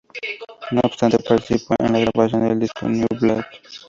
No obstante, participó en la grabación del disco "New blood".